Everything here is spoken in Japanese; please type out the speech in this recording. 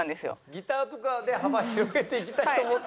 ギターとかで幅広げていきたいと思ってんの？